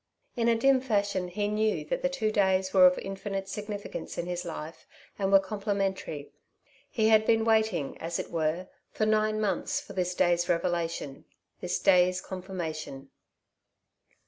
In a dim fashion he knew that the two days were of infinite significance in his life and were complementary. He had been waiting, as it were, for nine months for this day's revelation, this day's confirmation.